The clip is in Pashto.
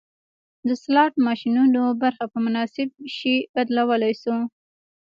د سلاټ ماشینونو برخه په مناسب شي بدلولی شو